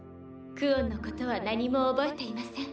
クオンのことは何も覚えていません。